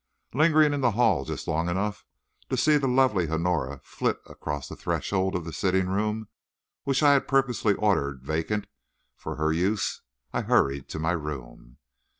Lingering in the hall just long enough to see the lovely Honora flit across the threshold of the sitting room which I had purposely ordered vacant for her use, I hurried to my room.